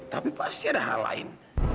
tapi pasti ada hal lain